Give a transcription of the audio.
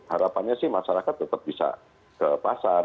harapannya sih masyarakat tetap bisa ke pasar